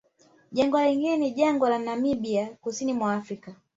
Jangwa lingine ni jangwa la Namibia kusini mwa Afrika